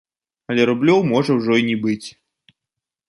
Але рублёў можа ўжо і не быць.